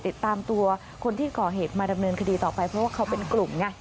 ติดตามตัวคนที่ก่อเหตุมาดำเนินคดีต่อไปเพราะว่าเขาเป็นกลุ่มไง